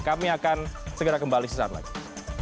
kami akan segera kembali sesaat lagi